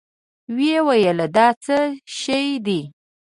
ويې ويل دا څه شې دي؟